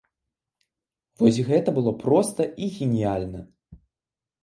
Вось гэта было проста і геніяльна!